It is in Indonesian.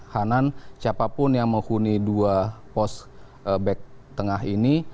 hanan siapapun yang menghuni dua pos back tengah ini